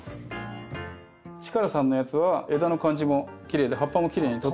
力さんのやつは枝の感じもきれいで葉っぱもきれいに整ってるので。